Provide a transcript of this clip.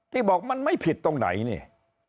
บอกมันไม่ผิดตรงไหนเนี่ย